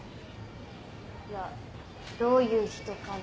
いやどういう人かなって。